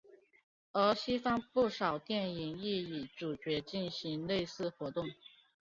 而西方不少电影亦以主角进行类似活动。